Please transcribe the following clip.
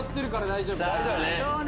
大丈夫だね。